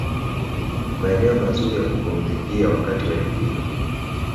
Maeneo mazuri ya kupumzikia wakati wa likizo